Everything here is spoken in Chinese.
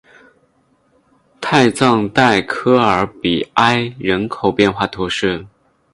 泰藏代科尔比埃人口变化图示